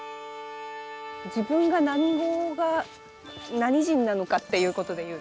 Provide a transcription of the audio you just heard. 自分が何語が何人なのかっていうことで言うと。